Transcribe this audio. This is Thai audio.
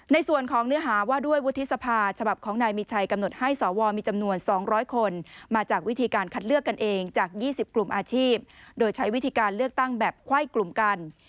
ในส่วนของเนื้อหาว่าด้วยวุฒิสภาฉบับของนายมีชัยกำหนดให้สวมีจำนวน๒๐๐คนมาจากวิธีการคัดเลือกกันเองจาก๒๐กลุ่มอาชีพโดยใช้วิธีการเลือกตั้งแบบไขว้กลุ่มกัน